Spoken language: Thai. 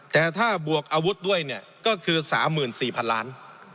แต่ถ้าบวกอาวุธด้วยเนี่ยก็คือสามหมื่นสี่พันล้าน